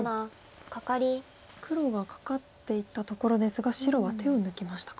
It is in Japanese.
黒がカカっていったところですが白は手を抜きましたか。